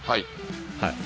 はい。